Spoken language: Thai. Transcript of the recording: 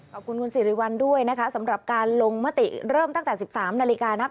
ขอบคุณคุณสิริวัลด้วยนะคะสำหรับการลงมติเริ่มตั้งแต่๑๓นาฬิกานะครับ